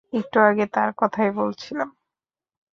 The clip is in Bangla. একটু আগে তার কথাই বলছিলাম।